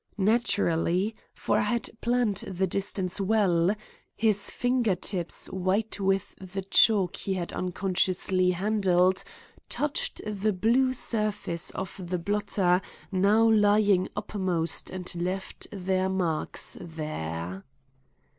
Naturally, for I had planned the distance well, his finger tips, white with the chalk he had unconsciously handled, touched the blue surface of the blotter now lying uppermost and left their marks there.